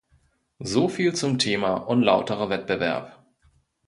Soviel zum Thema unlauterer Wettbewerb!